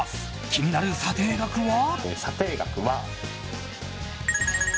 気になる査定額は。